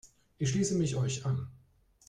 Ich schließe mich euch an.